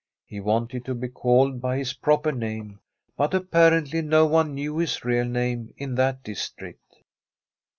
He wanted to be called by his proper name, but apparently no one knew his real name in that district.